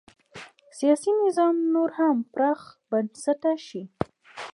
سیاسي نظام نور هم پراخ بنسټه شي.